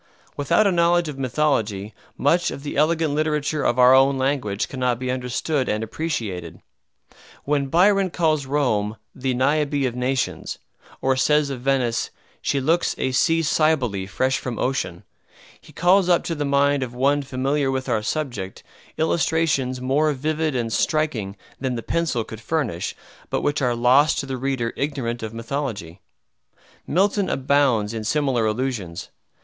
Without a knowledge of mythology much of the elegant literature of our own language cannot be understood and appreciated. When Byron calls Rome "the Niobe of nations," or says of Venice, "She looks a Sea Cybele fresh from ocean," he calls up to the mind of one familiar with our subject, illustrations more vivid and striking than the pencil could furnish, but which are lost to the reader ignorant of mythology. Milton abounds in similar allusions.